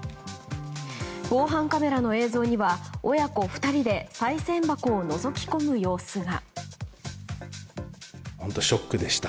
防犯カメラの映像には親子２人でさい銭箱をのぞき込む様子が。